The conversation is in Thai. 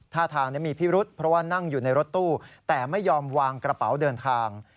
ท่าทางนี้มีพิรุษเพราะว่านั่งอยู่ในรถตู้แต่ไม่ยอมวางกระเป๋าเดินทาง